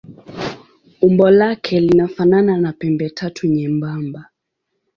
Umbo lake linafanana na pembetatu nyembamba.